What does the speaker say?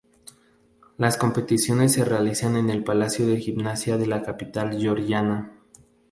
Las competiciones se realizaron en el Palacio de Gimnasia de la capital georgiana.